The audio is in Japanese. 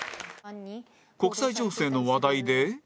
国際情勢の話題で